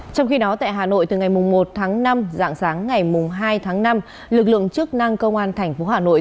trong khi đó tại hà nội từ ngày một tháng năm dạng sáng ngày hai tháng năm lực lượng chức năng công an tp hà nội